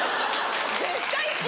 絶対好き！